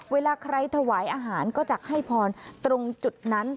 เวลาใครถวายอาหารก็จะให้พรตรงจุดนั้น